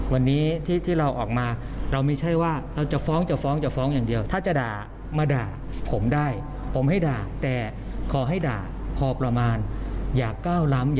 วันนี้ที่เราออกมาเราไม่ใช่ว่าเราจะฟ้องจะฟ้องจะฟ้องอย่างเดียว